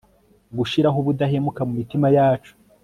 gushiraho ubudahemuka mumitima yacu